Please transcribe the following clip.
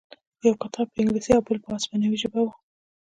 یو کتاب په انګلیسي او بل په هسپانوي ژبه و